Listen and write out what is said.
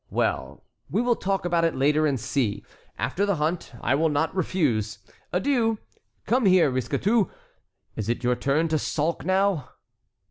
Well, we will talk about it later and see. After the hunt I will not refuse. Adieu! Come here, Risquetout! Is it your turn to sulk now?"